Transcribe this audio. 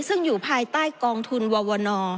ซึ่งอยู่ภายใต้กองทุนวน